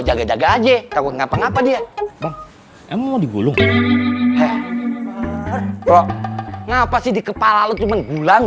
jaga jaga aja kau ngapa ngapa dia emang di gulung ngapa sih di kepala lu cuman gulang